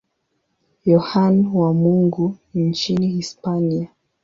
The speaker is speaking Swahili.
Yohane wa Mungu nchini Hispania.